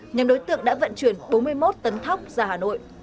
nhóm đối tượng đã vận chuyển bốn mươi một tấn thóc ra hà nội